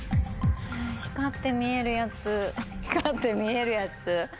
光って見えるやつ光って見えるやつ。